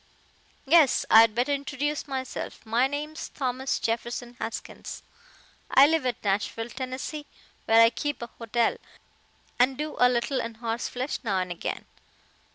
Guess I'd better introduce myself. My name's Thomas Jefferson Haskins. I live at Nashville, Tennessee, where I keep a hotel and do a little in horseflesh now an' agin.